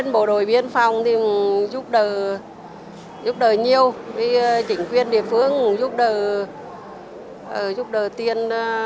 bộ đội biên phòng giúp đỡ nhiều chính quyền địa phương giúp đỡ tiền